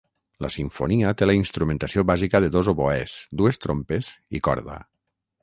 La simfonia té la instrumentació bàsica de dos oboès, dues trompes i corda.